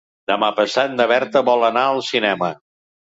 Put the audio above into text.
Demà passat na Berta vol anar al cinema.